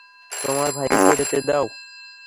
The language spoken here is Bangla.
তোমার ভাইকে যেতে দাও।